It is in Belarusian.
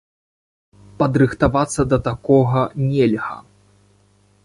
Падрыхтавацца да такога нельга.